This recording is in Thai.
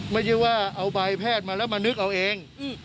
ไม่ใช่ว่าเอาใบแพทย์มาแล้วมานึกเอาเอง